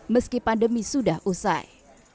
meski pandemi sudah usai